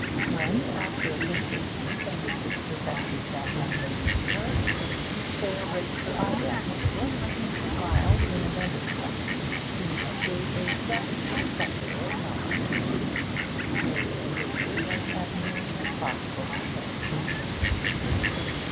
When, after a minute or two, the hostess presented that young lady to her, Miss Shale raised her eyebrows a little, smiled in another direction, and gave a just perceptible nod. May's behaviour was as nearly as possible the same.